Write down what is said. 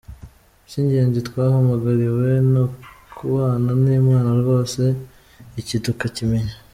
Icy’ingenzi twahamagariwe ni ukubana n’Imana rwose; iki tukakimenya.